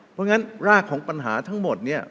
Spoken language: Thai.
เพราะฉะนั้นรากของปัญหาทั้งหมดเนี่ย